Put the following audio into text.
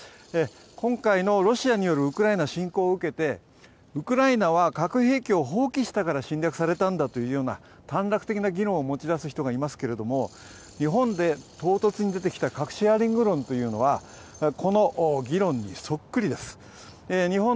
今回のロシアによるウクライナ侵攻を受けて、ウクライナは核兵器を放棄したから侵略されたんだという短絡的な議論を持ち出す人がいますけれども、日本で唐突に出てきた核シェアリング論というのはこの議論にそっくりです。